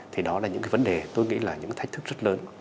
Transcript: thì đó là những cái vấn đề tôi nghĩ là những cái thách thức rất lớn